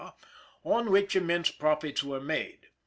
on which immense profits were made.